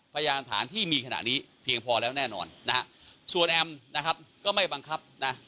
พยานฐานที่มีขนาดนี้เพียงพอแล้วแน่นอนส่วนแอมป์ก็ไม่บังคับ